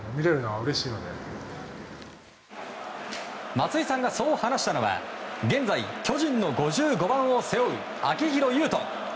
松井さんがそう話したのは現在、巨人の５５番を背負う秋広優人。